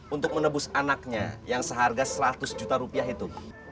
untuk menebus anaknya yang seharga seratus juta rupiah itu